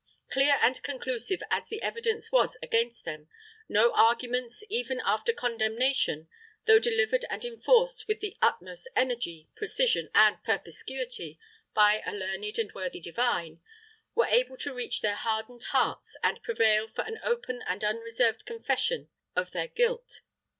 "Clear and conclusive as the evidence was against them, no arguments, even after condemnation, though delivered and enforced with the utmost energy, precision and perspicuity by a learned and worthy divine, were able to reach their hardened hearts and prevail for an open and unreserved confession of their guilt.